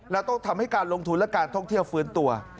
และต้องทำให้การลงทุนและการท่องเที่ยวฟื้นตัว